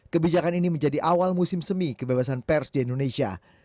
kebijakan ini menjadi awal musim semi kebebasan pers di indonesia